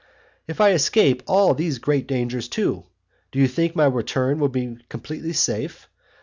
If I escape all these great dangers too, do you think my return will be completely safe?